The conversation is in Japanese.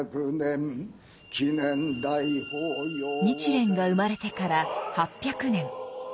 日蓮が生まれてから８００年。